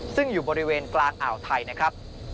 ซึ่งอยู่บริเวณกลางอ่าวไทยนะครับ